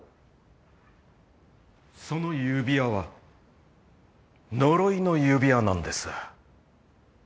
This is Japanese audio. その指輪は呪いの指輪なんです。